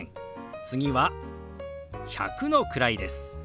次は１００の位です。